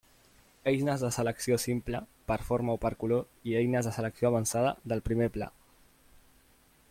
Eines de selecció simples, per forma o per color, i eines de selecció avançada del primer pla.